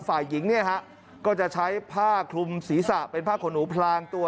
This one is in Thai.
ฝ่ายหญิงก็จะใช้ผ้าคลุมศรีษะเป็นผ้าขนอุพลางตัว